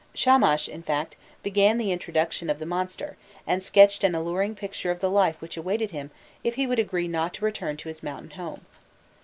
Shamash, in fact, began the instruction of the monster, and sketched an alluring picture of the life which awaited him if he would agree not to return to his mountain home.